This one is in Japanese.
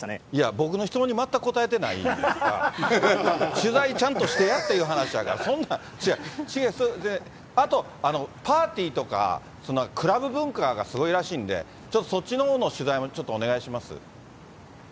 僕の質問に全く答えてないから、取材、ちゃんとしてやという話やから、そんなん、違う、あと、パーティーとか、クラブ文化がすごいらしいんで、ちょっとそっちのほうの取材もちょっとお願いします。